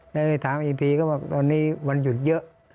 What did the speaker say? แล้วไปถามอีกทีก็ว่าวันนี้วันหยุดเยอะ